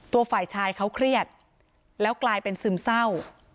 ตัวฝ่ายชายเขาเครียดแล้วกลายเป็นซึมเศร้า